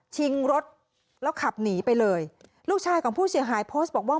ชิงรถแล้วขับหนีไปเลยลูกชายของผู้เสียหายโพสต์บอกว่า